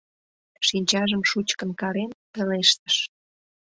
Шинчажым шучкын карен, пелештыш: